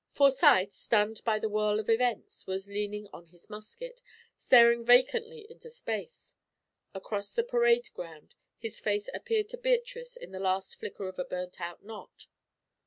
Forsyth, stunned by the whirl of events, was leaning on his musket, staring vacantly into space. Across the parade ground his face appeared to Beatrice in the last flicker of a burnt out knot.